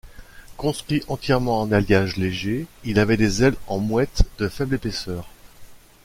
Construit entièrement en alliage léger, il avait des ailes en mouette de faible épaisseur.